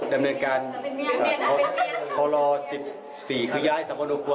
ดำเนินการทรวล๑๔ย้ายสามวะโนโคร